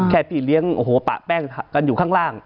แค่พี่เลี้ยงปะแป้งกันอยู่ข้างล่าง